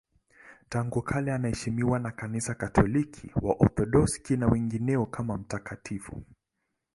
Tangu kale anaheshimiwa na Kanisa Katoliki, Waorthodoksi na wengineo kama mtakatifu.